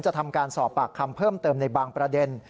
ทำการสอบปากคำเพิ่มเติมในบางประเด็น